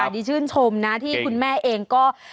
ดีชื่นชมนะที่คุณแม่เองก็